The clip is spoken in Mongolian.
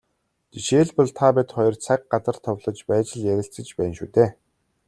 Жишээлбэл, та бид хоёр цаг, газар товлож байж л ярилцаж байна шүү дээ.